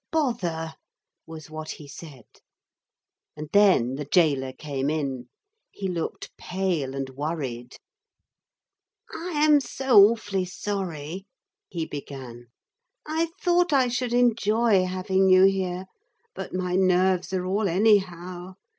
'Bother!' was what he said. And then the gaoler came in. He looked pale and worried. 'I am so awfully sorry,' he began. 'I thought I should enjoy having you here, but my nerves are all anyhow.